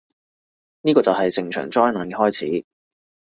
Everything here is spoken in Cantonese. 呢個就係成場災難嘅開始